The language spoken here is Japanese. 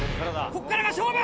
ここからが勝負！